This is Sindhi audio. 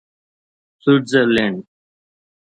سئيٽرزلينڊ